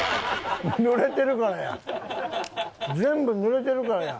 濡れてるからや。